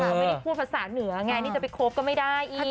ไม่ได้พูดภาษาเหนือไงนี่จะไปคบก็ไม่ได้อีก